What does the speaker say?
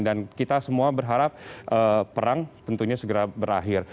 dan kita semua berharap perang tentunya segera berakhir